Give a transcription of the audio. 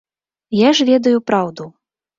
Я ж ведаю праўду.